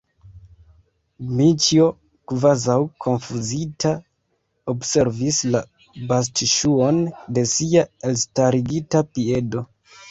Dmiĉjo, kvazaŭ konfuzita, observis la bastŝuon de sia elstarigita piedo.